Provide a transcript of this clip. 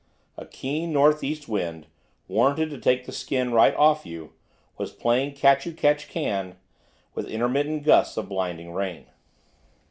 A keen north east wind, warranted to take the skin right off you, was playing catch who catch can with intermittent gusts of blinding rain.